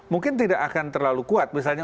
mungkin tidak akan terlalu kuat misalnya